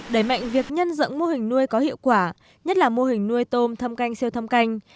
đẩy mạnh việc nhân rộng mô hình nuôi có hiệu quả nhất là mô hình nuôi tôm thâm canh siêu thâm canh